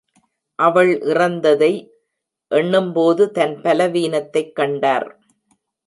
அவள் இறந்ததை எண்ணும்போது தன் பலவீனத்தைக் கண்டார்.